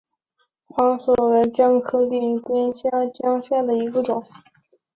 莴笋花为姜科闭鞘姜属下的一个种。